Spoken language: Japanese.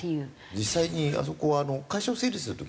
実際にあそこは会社を整理する時にですね